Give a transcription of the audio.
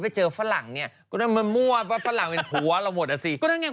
ผีเข้าความค่อยอากาศต้องทิ้ง